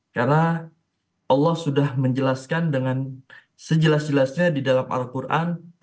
karena allah sudah menjelaskan dengan sejelas jelasnya di dalam al quran